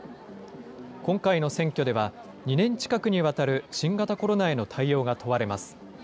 今回の選挙では、２年近くにわたる新型コロナへの対応が問われます。